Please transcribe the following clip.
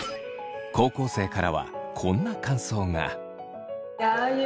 高校生からはこんな感想が。